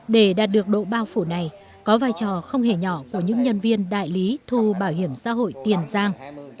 để đạt được độ bao phủ này có vai trò không hề nhỏ của những nhân viên đại lý thu bảo hiểm xã hội tiền giang